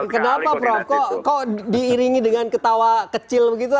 kenapa proko kok diiringi dengan ketawa kecil begitu